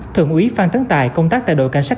thượng úy phan tấn tài công tác tại đội cảnh sát